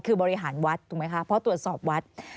คือบริหารวัดถูกไหมคะเพราะตรวจสอบวัด